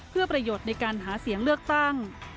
เพื่อประโยชน์ในการหาเสียงเลือกตั้ง